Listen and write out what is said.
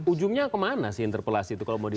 ujungnya kemana sih interpelasi itu kalau mau di